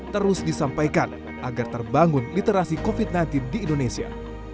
terus disampaikan agar terbangun literasi covid sembilan belas di indonesia